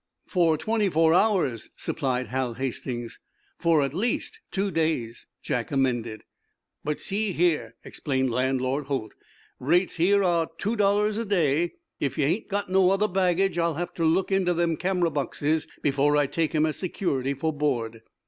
"For twenty four hours," supplied Hal Hastings. "For at least two days," Jack amended. "But, see here," explained Landlord Holt. "Rates here are two dollars a day. If ye hain't got no other baggage I'll have ter look into them camera boxes before I take 'em as security for board."